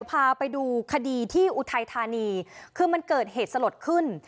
พาไปดูคดีที่อุทัยธานีคือมันเกิดเหตุสลดขึ้น